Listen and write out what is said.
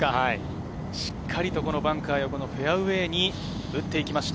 しっかりとバンカー横のフェアウエーに打っていきました。